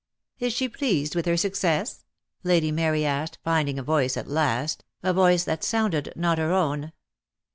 "Is she pleased with her success?" Lady Mary asked, finding a voice at last, a voice that sounded not her own.